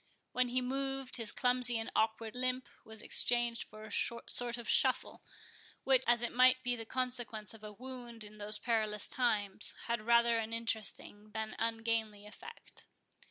When he moved, his clumsy and awkward limp was exchanged for a sort of shuffle, which, as it might be the consequence of a wound in those perilous times, had rather an interesting than an ungainly effect.